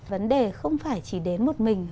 vấn đề không phải chỉ đến một mình